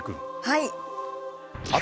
はい。